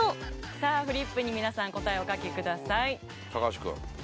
さあフリップに皆さん答えをお書きください高橋くん